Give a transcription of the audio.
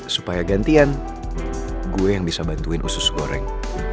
supaya gantian gue yang bisa bantuin usus goreng